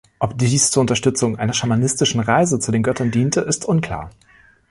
Ob dies zur Unterstützung einer schamanistischen Reise zu den Göttern diente, ist unklar.